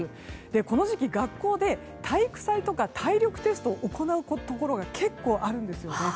この時期、学校で体育祭とか体力テストを行うところが結構あるんです。